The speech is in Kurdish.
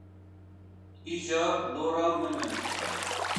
Îja dor a min e.